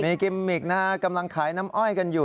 มีกิมมิกนะฮะกำลังขายน้ำอ้อยกันอยู่